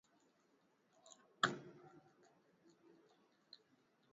mkulima anashauriwa kutumia mbolea kwa kukuza wa viazi lishe